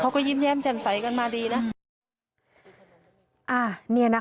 ยิ้มแย้มแจ่มใสกันมาดีนะ